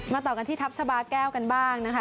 ต่อกันที่ทัพชาบาแก้วกันบ้างนะคะ